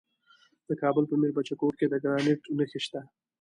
د کابل په میربچه کوټ کې د ګرانیټ نښې شته.